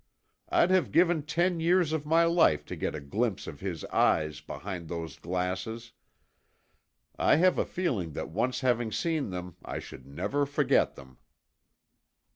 I'd have given ten years of my life to get a glimpse of his eyes behind those glasses. I have a feeling that once having seen them I should never forget them."